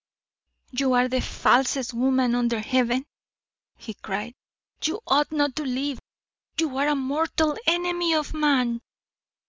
"You are the falsest woman under heaven!" he cried. "You ought not to live; you are a mortal enemy of man!"